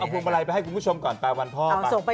เอาภูมิมารัยไปให้คุณผู้ชมก่อนเปล่าพ่อไป